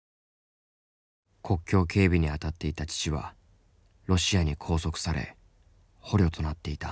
国境警備に当たっていた父はロシアに拘束され捕虜となっていた。